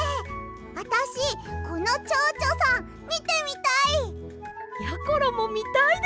あたしこのチョウチョさんみてみたい！やころもみたいです！